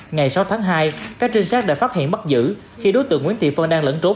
ngày sáu tháng hai các trinh sát đã phát hiện bắt giữ khi đối tượng nguyễn thị phân đang lẫn trốn